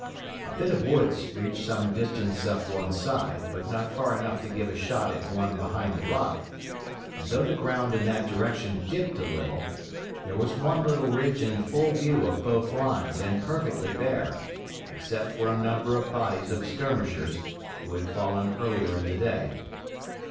A bit of woods reached some distance up on one side, but not far enough to give a shot at one behind the rock; and though the ground in that direction dipped a little, there was one little ridge in full view of both lines and perfectly bare, except for a number of bodies of skirmishers who had fallen earlier in the day.